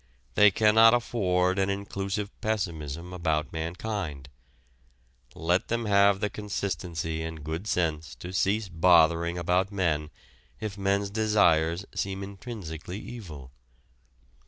They cannot afford an inclusive pessimism about mankind. Let them have the consistency and good sense to cease bothering about men if men's desires seem intrinsically evil.